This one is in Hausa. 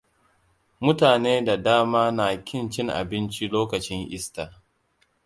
Mutane da dama na ƙin cin abinci lokaci Easter.